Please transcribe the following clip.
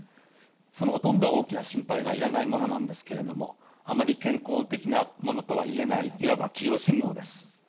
そのほとんどは大きな心配がいらないものなんですけれどもあまり健康的なものとは言えないいわば黄色信号です。